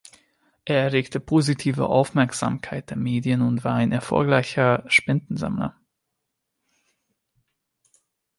Er erregte positive Aufmerksamkeit der Medien und war ein erfolgreicher Spendensammler.